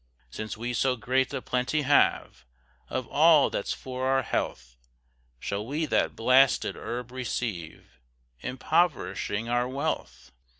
Since we so great a plenty have, Of all that's for our health, Shall we that blasted herb receive, Impoverishing our wealth?